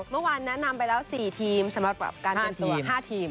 เมื่อวานแนะนำไปแล้ว๔ทีมสำหรับการเตรียมตัว๕ทีม